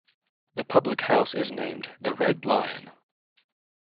The public house is named 'The Red Lion'.